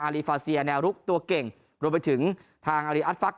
ลีฟาเซียแนวรุกตัวเก่งรวมไปถึงทางอารีอัสฟัก